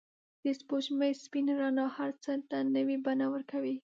د سپوږمۍ سپین رڼا هر څه ته نوی بڼه ورکوي.